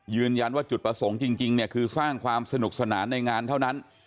ยืนยันว่าจุดประสงค์จริงเนี่ยคือสร้างความสนุกสนานในงานเท่านั้น